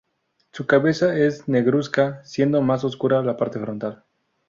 Su cabeza es negruzca, siendo más oscura la parte frontal.